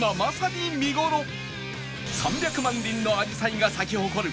３００万輪のあじさいが咲き誇る